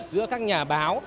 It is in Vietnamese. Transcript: giữa các nhà báo